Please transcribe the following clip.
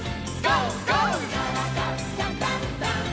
「からだダンダンダン」